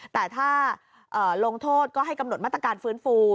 แต่ถ้าลงโทษก็ให้กำหนดมาตรการฟื้นฟู